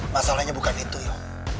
masalahnya bukan itu yor